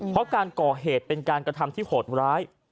เพราะการก่อเหตุเป็นการกระทำที่โหดร้าย